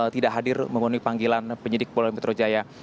tidak hadir memenuhi panggilan penyidik polda metro jaya